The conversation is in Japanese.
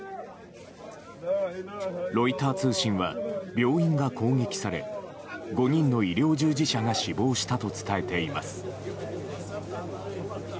ロイター通信は病院が攻撃され５人の医療従事者が死亡したと伝えています。